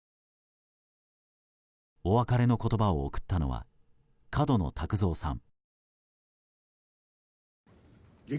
お別れの言葉を贈ったのは角野卓造さん。